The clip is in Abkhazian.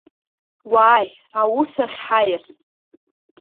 Уааи, аус ахь ҳаиасп!